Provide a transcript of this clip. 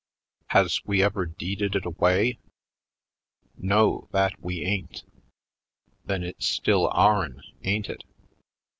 Has we ever deeded it away? No, that we ain't! Then it's still our'n, ain't it?